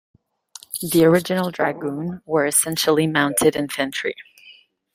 The original dragoons were essentially mounted infantry.